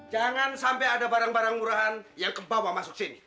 jangan sampai ada barang barang murahan yang kebawa masuk sini